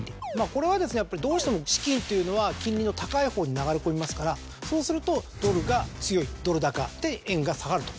これはやっぱりどうしても資金っていうのは金利の高いほうに流れ込みますからそうするとドルが強いドル高で円が下がると。